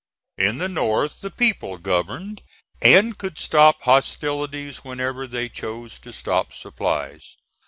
In the North the people governed, and could stop hostilities whenever they chose to stop supplies.